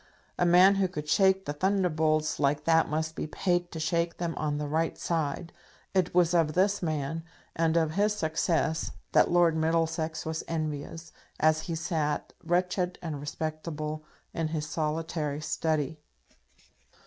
A man who could shake the thunderbolts like that must be paid to shake them on the right side. It was of this man, and of his success, that Lord Middlesex was envious, as he sat, wretched and respectable, in his solitary study!